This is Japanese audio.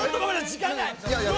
時間ない！